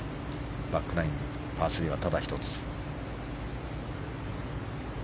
バックナインパー３はただ１つ。